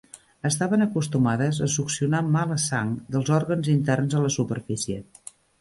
Estaven acostumades a succionar "mala sang" dels òrgans interns a la superfície.